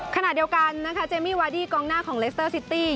ขณะเดียวกันนะคะเจมมี่วาดี้กองหน้าของเลสเตอร์ซิตี้